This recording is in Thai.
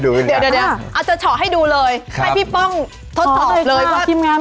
ก็อาจเป็นเพราะชอคนั้น